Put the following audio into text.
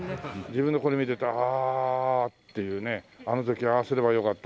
自分のこれ見ててああっていうねあの時ああすればよかった